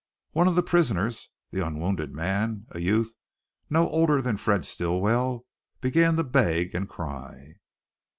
One of the prisoners, the unwounded man, a youth no older than Fred Stilwell, began to beg and cry.